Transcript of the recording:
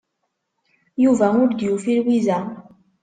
Yuba ur d-yufi Lwiza.